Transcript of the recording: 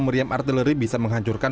meriam artileri bisa menghancurkan